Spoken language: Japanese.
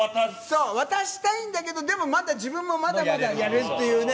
そう、渡したいんだけど、でも、自分もまだ、まだまだやるっていうね。